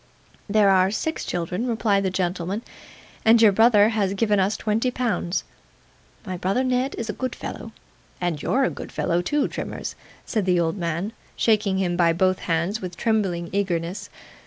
'There are six children,' replied the gentleman, 'and your brother has given us twenty pounds.' 'My brother Ned is a good fellow, and you're a good fellow too, Trimmers,' said the old man, shaking him by both hands with trembling eagerness.